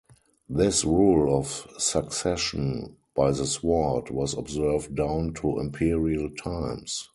This rule of succession by the sword was observed down to imperial times.